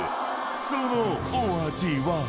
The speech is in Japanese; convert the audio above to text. ［そのお味は？］